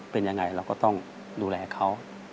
เป็นยังไงเราก็ต้องดูแลเขา